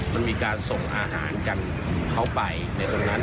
มันมีการส่งอาหารกันเข้าไปในตรงนั้น